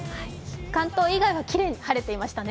関東以外もきれいに晴れていましたね。